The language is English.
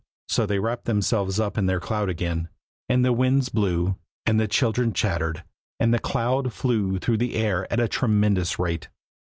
So they wrapped themselves up in their cloud again, and the Winds blew, and the children chattered, and the cloud flew through the air at a tremendous rate.